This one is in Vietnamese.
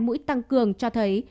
mũi tăng cường cho thấy